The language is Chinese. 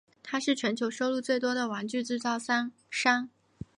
它是全球收入最多的玩具制造商。